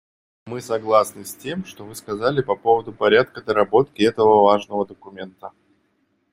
Мы согласны с тем, что Вы сказали по поводу порядка доработки этого важного документа.